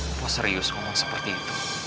apa serius ngomong seperti itu